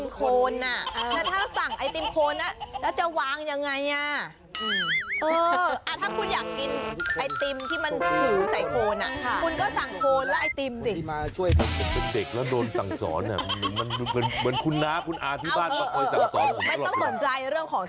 ก็เหมือนว่าเขาตักไอติมใส่ถ้วยแล้วเอาโคลนโปะข้างบน